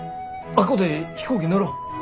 あっこで飛行機乗ろ。